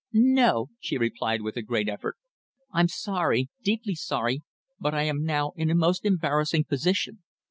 "No," she replied with a great effort. "I'm sorry deeply sorry but I am now in a most embarrassing position.